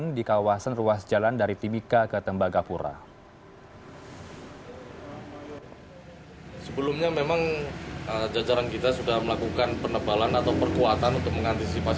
dan di kawasan ruas jalan dari timika ke tembagapura